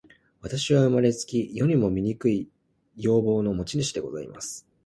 私は生れつき、世にも醜い容貌の持主でございます。